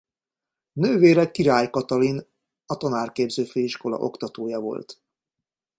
Nővére Király Katalin a Tanárképző Főiskola oktatója volt.